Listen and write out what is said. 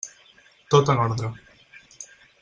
Tot en ordre.